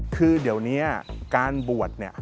คือเดี๋ยวนี้การบวชเนี่ย